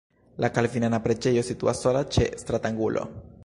La kalvinana preĝejo situas sola ĉe stratangulo.